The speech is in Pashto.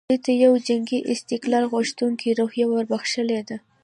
دوی ته یوه جنګي استقلال غوښتونکې روحیه وربخښلې ده.